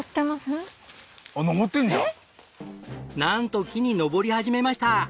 なんと木に登り始めました。